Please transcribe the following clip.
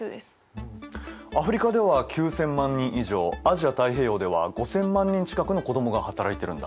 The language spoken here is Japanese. アフリカでは９，０００万人以上アジア太平洋では５，０００万人近くの子どもが働いてるんだ。